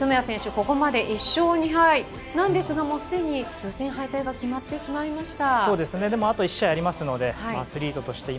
ここまで１勝２敗なんですがもうすでに予選敗退が決まってしまいました。